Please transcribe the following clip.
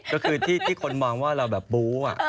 ก็คือที่คนมองว่าเราแบบบู๊